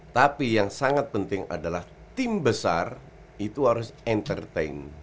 tapi yang sangat penting adalah tim besar itu harus entertain